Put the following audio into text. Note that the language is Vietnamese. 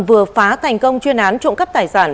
vừa phá thành công chuyên án trộm cắp tài sản